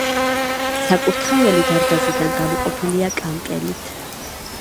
საკურთხეველი დარბაზისაგან გამოყოფილია კანკელით.